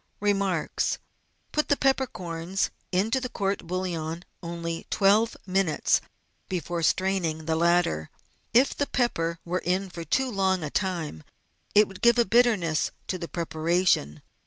Remariis. — Put the peppercorns into the court bo^iillon only twelve minutes before straining the latter. If the pepper were in for too long a time it would give a bitterness to the preparation.